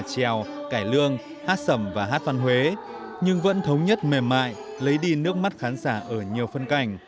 trèo cải lương hát sầm và hát văn huế nhưng vẫn thống nhất mềm mại lấy đi nước mắt khán giả ở nhiều phân cảnh